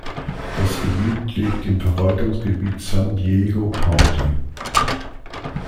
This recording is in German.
Das Gebiet liegt im Verwaltungsgebiet San Diego County.